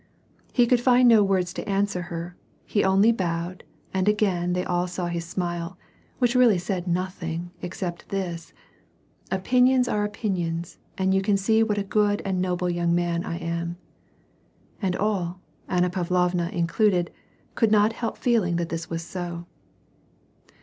He could find no words to answer her ; he only bowed, and again they all saw his'smUe, which really said nothing, except this :' opinions are opinions, and you can see what a good and noble young man I am.'' And all, Anna Pavlovna included, could not help feeling that this was so.